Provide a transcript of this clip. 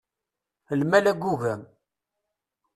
Lmal agugam!